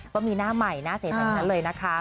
ก็มีหน้าใหม่น่าเสียดายทั้งนั้นเลยนะคะ